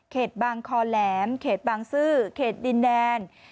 บางคอแหลมเขตบางซื่อเขตดินแดน